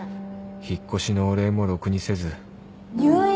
引っ越しのお礼もろくにせず入院！？